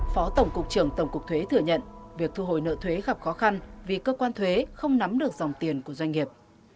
phó tổng cục trưởng tổng cục thuế thừa nhận việc thu hồi nợ thuế gặp khó khăn vì cơ quan thuế không nắm được dòng tiền của doanh nghiệp